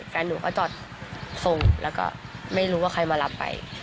แฟนหนูก็จอดส่งแล้วก็ไม่รู้ว่าใครมารับไป